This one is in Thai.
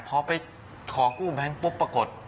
พอไปขอกู้แบงค์ปุ๊บปรากฏ